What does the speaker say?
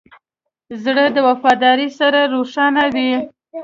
زړه د وفادارۍ سره روښانه وي.